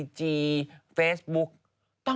ปล่อยให้เบลล่าว่าง